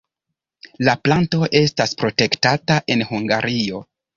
La planto estas protektata en Hungario.